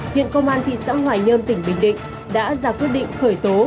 hiện công an thị xã hoài nhơn tỉnh bình định đã ra quyết định khởi tố